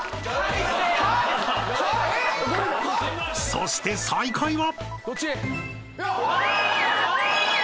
［そして最下位は］